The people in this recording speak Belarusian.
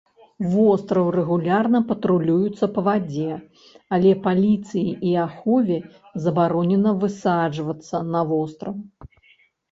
Востраў рэгулярна патрулюецца па вадзе, але паліцыі і ахове забаронена высаджвацца на востраў.